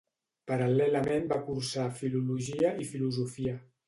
Paral·lelament va cursar filologia i filosofia.